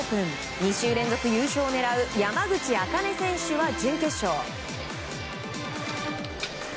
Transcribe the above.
２週連続優勝を狙う山口茜選手は準決勝。